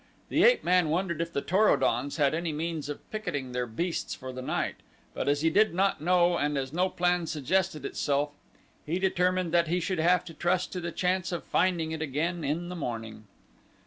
The ape man wondered if the Tor o dons had any means of picketing their beasts for the night, but as he did not know and as no plan suggested itself, he determined that he should have to trust to the chance of finding it again in the morning.